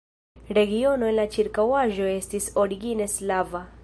Regiono en la ĉirkaŭaĵo estis origine slava.